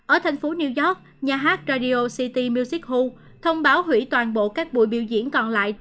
ở thành phố new york nhà hát radio city music hou thông báo hủy toàn bộ các buổi biểu diễn còn lại